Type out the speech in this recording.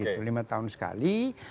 lima tahun sekali